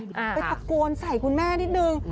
ไปตะโกนใส่คุณแม่นิดนึง